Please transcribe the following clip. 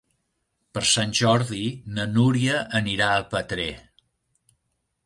Per Sant Jordi na Núria anirà a Petrer.